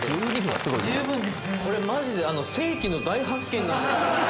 「これマジで世紀の大発見なんじゃ」